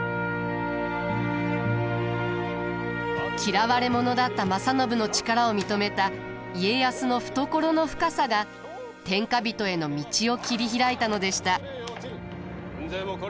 嫌われ者だった正信の力を認めた家康の懐の深さが天下人への道を切り開いたのでした。